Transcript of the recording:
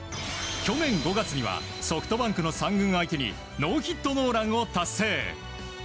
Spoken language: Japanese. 去年５月にはソフトバンクの３軍相手にノーヒットノーランを達成。